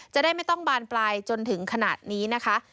จะได้ไม่ต้องบานปลายจนถึงขนาดนี้นะคะ